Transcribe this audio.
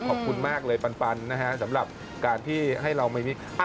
ขอบคุณมากเลยปันนะฮะสำหรับการที่ให้เราไม่มี